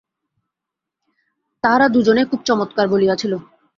তাহারা দুজনেই খুব চমৎকার বলিয়াছিল।